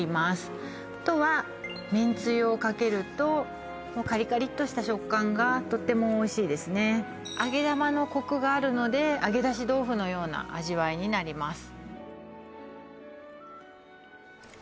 あとはめんつゆをかけるとカリカリっとした食感がとってもおいしいですね揚げ玉のコクがあるので揚げ出し豆腐のような味わいになります